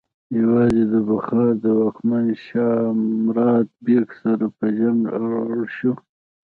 یوازې د بخارا د واکمن شاه مراد بیک سره په جنګ اړ شو.